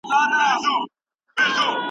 دغو ناستو به د ولس په منځ کي ډاډ پیدا کاوه.